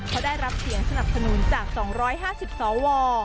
เขาได้รับเสียงสนับสนุนจาก๒๕๐สว